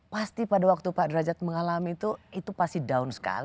pasti pada waktu pak derajat mengalami itu itu pasti down sekali